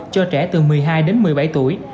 cho trẻ từ một mươi hai đến một mươi bảy tuổi